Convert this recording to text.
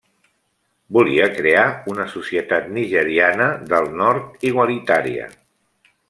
Volia crear una societat nigeriana del Nord igualitària.